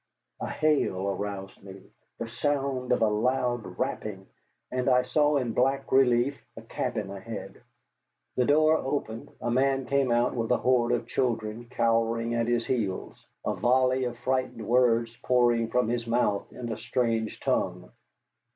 A hail aroused me, the sound of a loud rapping, and I saw in black relief a cabin ahead. The door opened, a man came out with a horde of children cowering at his heels, a volley of frightened words pouring from his mouth in a strange tongue.